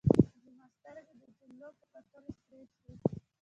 زما سترګې د جملو په کتلو سرې شوې.